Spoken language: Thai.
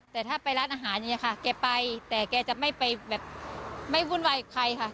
แต่ถ้าไปร้านอาหารอย่างนี้ค่ะแกไปแต่แกจะไม่ไปแบบไม่วุ่นวายกับใครค่ะ